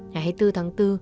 ngày hai mươi bốn tháng bốn